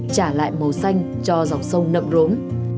trả lại màu xanh cho dòng sông nậm rốn